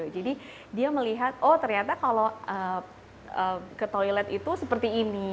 jadi dia melihat oh ternyata kalau ke toilet itu seperti ini